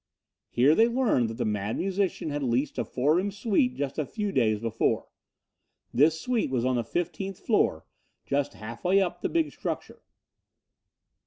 Here they learned that the Mad Musician had leased a four room suite just a few days before. This suite was on the fifteenth floor, just half way up in the big structure.